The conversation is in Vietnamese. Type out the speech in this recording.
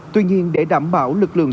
tuy nhiên để đảm bảo lực lượng